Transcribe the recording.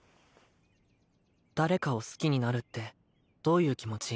誰かを好きになるってどういう気持ち？